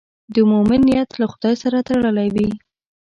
د مؤمن نیت له خدای سره تړلی وي.